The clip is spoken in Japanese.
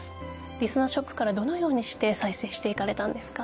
りそなショックからどのようにして再生していかれたんですか？